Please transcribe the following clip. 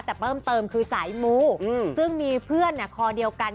แต่เพิ่มเติมคือสายมูซึ่งมีเพื่อนคอเดียวกัน